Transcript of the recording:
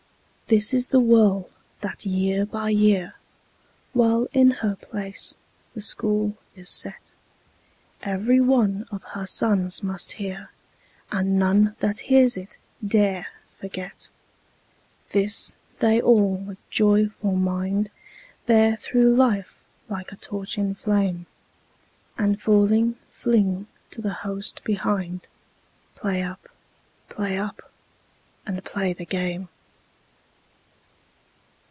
This is the word that year by year, While in her place the School is set, Every one of her sons must hear, And none that hears it dare forget. This they all with a joyful mind Bear through life like a torch in flame, And falling fling to the host behind "Play up! play up! and play the game!"